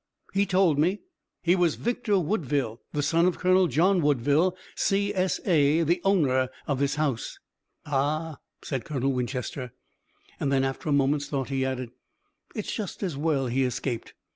"He told me. He was Victor Woodville, the son of Colonel John Woodville, C.S.A., the owner of this house." "Ah!" said Colonel Winchester, and then after a moment's thought he added: "It's just as well he escaped.